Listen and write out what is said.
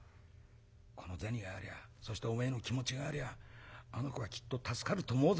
この銭がありゃそしておめえの気持ちがありゃあの子はきっと助かると思うぜ」。